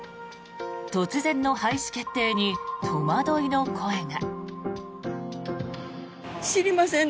突然の廃止決定に戸惑いの声が。